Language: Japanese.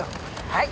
はい。